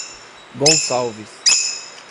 Gonçalves